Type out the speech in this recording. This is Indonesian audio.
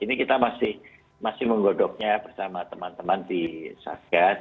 ini kita masih menggodoknya bersama teman teman di satgas